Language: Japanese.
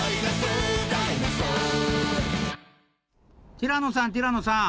ティラノさんティラノさん